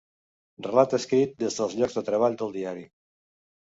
Relat escrit des dels llocs de treball del diari.